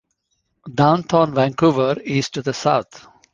Downtown Vancouver is to the south.